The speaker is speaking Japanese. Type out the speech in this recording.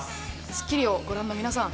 『スッキリ』をご覧の皆さん、